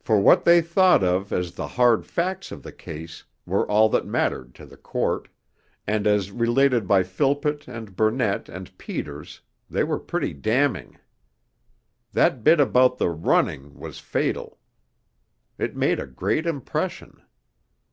For what they thought of as the 'hard facts of the case' were all that mattered to the Court, and as related by Philpott and Burnett and Peters, they were pretty damning. That bit about the 'running' was fatal. It made a great impression.